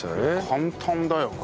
簡単だよな。